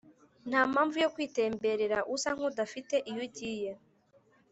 nta mpamvu yo kwitemberera usa nk’udafite iyo ugiye